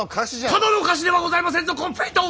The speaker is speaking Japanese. ただの菓子ではございませんぞコンフェイト！